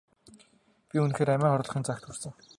Би үнэхээр амиа хорлохын заагт хүрсэн.